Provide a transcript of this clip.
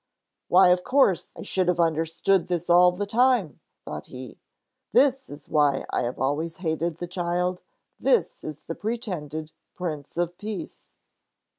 "Why, of course I should have understood this all the time!" thought he. "This is why I have always hated the child. This is the pretended Prince of Peace."